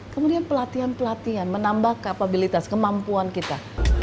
kemudian pelatihan pelatihan menambah kapabilitas kemampuan kita